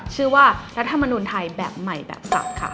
ชื่อว่ารัฐธรรมนุนไทยแบบใหม่แบบสับค่ะ